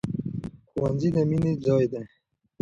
ښوونځی د مینې ځای دی.